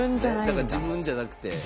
だから自分じゃなくて。